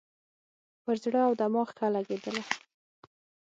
پر زړه او دماغ ښه لګېدله.